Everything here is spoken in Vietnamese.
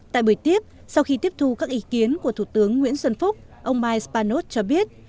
tại buổi tiếp sau khi tiếp thu các ý kiến của thủ tướng nguyễn xuân phúc ông mike spanos cho biết